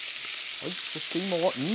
はい。